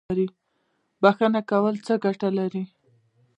بخښنه کول څه ګټه لري؟